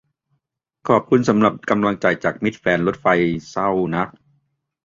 ขอบคุณสำหรับกำลังใจจากมิตรแฟนรถไฟ เศร้านัก